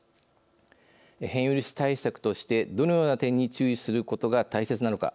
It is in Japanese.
変異ウイルス対策としてどのような点に注意することが大切なのか